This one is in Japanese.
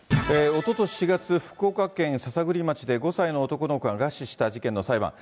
おととし４月、福岡県篠栗町で５歳の男の子が餓死した事件の裁判。